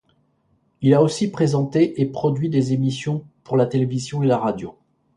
Il a aussi présenté et produit des émissions pour la télévision et la radio.